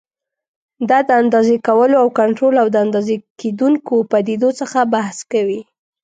دا د اندازې کولو او کنټرول او د اندازه کېدونکو پدیدو څخه بحث کوي.